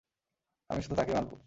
আমি শুধু তাকেই মারব।